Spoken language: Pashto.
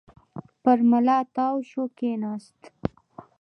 پر ملا تاو شو، کېناست.